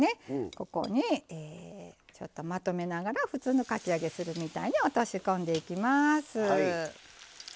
ここに、ちょっとまとめながら普通のかき揚げするみたいに落とし込んでいきます。